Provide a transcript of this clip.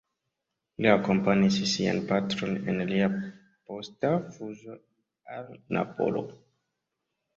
Li akompanis sian patron en lia posta fuĝo al Napolo.